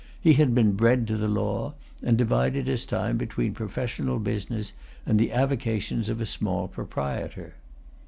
He had been bred to the law, and divided his time between professional business and the avocations of a small proprietor.